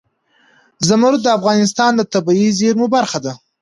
زمرد د افغانستان د طبیعي زیرمو برخه ده.